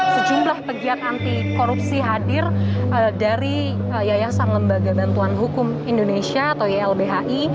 sejumlah pegiat anti korupsi hadir dari yayasan lembaga bantuan hukum indonesia atau ylbhi